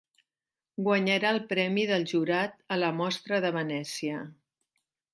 Guanyarà el Premi del jurat a la Mostra de Venècia.